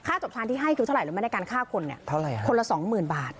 ค่าตอบแทนที่ให้คือเท่าไหร่หรือไม่ได้การค่าคนเนี่ยคนละสองหมื่นบาท